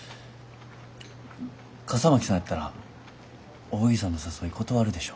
笠巻さんやったら扇さんの誘い断るでしょ。